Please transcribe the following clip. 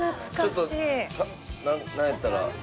ちょっとなんやったら。